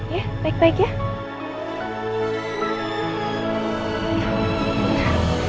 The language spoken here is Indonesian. ya baik baik ya